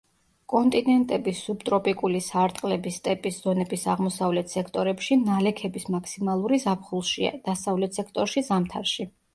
კონტინენტების სუბტროპიკული სარტყლების სტეპის ზონების აღმოსავლეთ სექტორებში ნალექების მაქსიმალური ზაფხულშია, დასავლეთ სექტორებში —ზამთარში.